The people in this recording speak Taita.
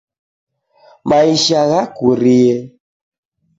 Maisha ghakurie.